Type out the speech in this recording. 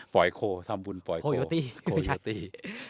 ปล่อยโคทำเป็นบุญโควิวตี้